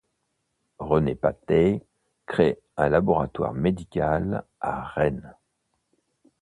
René Patay crée un laboratoire médical à Rennes.